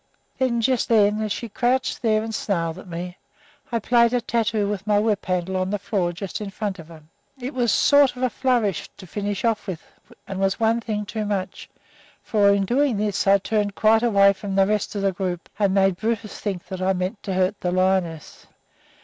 Then, as she crouched there and snarled at me, I played a tattoo with my whip handle on the floor just in front of her. It was just a sort of flourish to finish off with, and it was one thing too much; for in doing this I turned quite away from the rest of the group and made Brutus think that I meant to hurt the lioness.